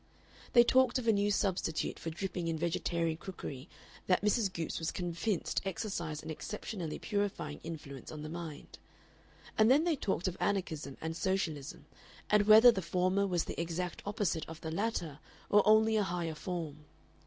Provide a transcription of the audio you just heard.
They talked of a new substitute for dripping in vegetarian cookery that Mrs. Goopes was convinced exercised an exceptionally purifying influence on the mind. And then they talked of Anarchism and Socialism, and whether the former was the exact opposite of the latter or only a higher form.